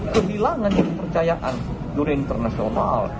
kehilangan yang dipercayaan dari internasional